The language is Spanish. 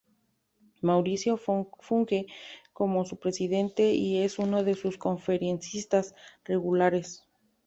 Mauricio funge como su presidente y es uno de sus conferencistas regulares.